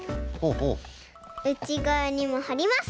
うちがわにもはります。